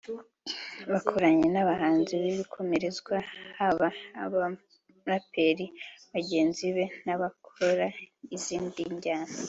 yakoranye n’abahanzi b’ibikomerezwa haba abaraperi bagenzi be n’abakora izindi njyana